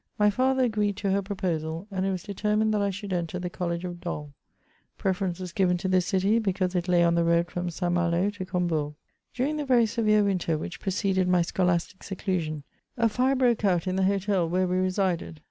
My father agreed to her proposal ; and it was determined that I should enter the College of Dol. Preference was given to this city, because it lay on the road from St.Malo to Combourg During the very severe winter which preceded my scholastic seclusion, a fire broke out in the hotel where we resided.